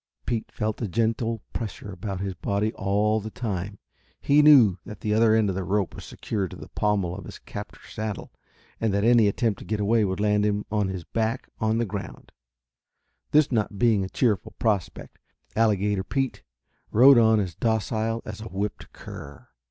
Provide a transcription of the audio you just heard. Pete felt a gentle pressure about his body all the time. He knew that the other end of the rope was secured to the pommel of his captor's saddle and that any attempt to get away would land him on his back on the ground. This not being a cheerful prospect, Alligator Pete rode on as docile as a whipped cur.